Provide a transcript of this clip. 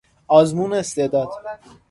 آزمون استعداد